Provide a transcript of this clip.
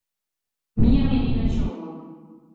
Minha menina de ouro